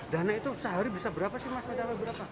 dana itu sehari bisa berapa sih mas berapa